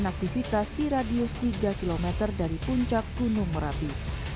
aktivitas di radius tiga km dari puncak gunung merapi